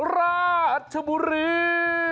ราชบุรี